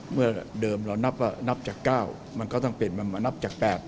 เมื่อเดิมเรานับจาก๙มันก็ต้องเป็นมันนับจาก๘